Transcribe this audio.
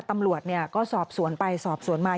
ตำรวจก็สอบสวนไปสอบสวนมา